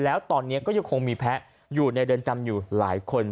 แล้วตอนนี้ก็ยังคงมีแพ้อยู่ในเรือนจำอยู่หลายคน